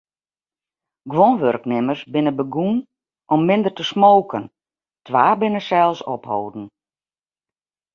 Guon wurknimmers binne begûn om minder te smoken, twa binne sels opholden.